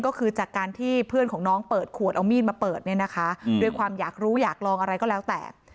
ก็คือจากการที่เพื่อนของน้องเปิดขวดเอามีดมาเปิดเนี่ยนะคะด้วยความอยากรู้อยากลองอะไรก็แล้วแต่